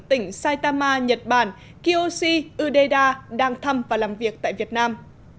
tỉnh saitama nhật bản kiyoshi udeda đang thăm và làm việc tại việt nam